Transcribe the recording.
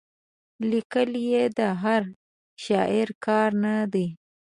لیکل یې د هر شاعر کار نه دی.